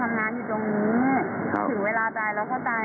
เหมือนกับทุกครั้งกลับบ้านมาอย่างปลอดภัย